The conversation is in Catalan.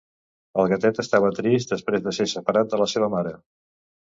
El gatet estava trist després de ser separat de la seva mare.